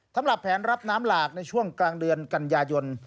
สำหรับแผนรับน้ำหลากในช่วงกลางเดือนกันยายน